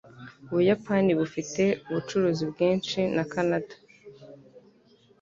Ubuyapani bufite ubucuruzi bwinshi na Kanada.